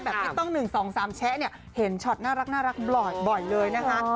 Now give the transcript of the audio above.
ที่ต้อง๑๒๓แชะเนี่ยเห็นช็อตน่ารักบ่อยเลยนะคะ